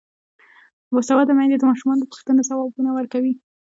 باسواده میندې د ماشومانو د پوښتنو ځوابونه ورکوي.